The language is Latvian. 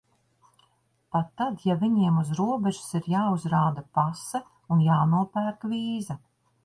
Pat tad, ja viņiem uz robežas ir jāuzrāda pase un jānopērk vīza.